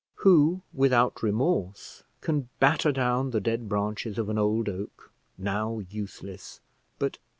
Who, without remorse, can batter down the dead branches of an old oak, now useless, but, ah!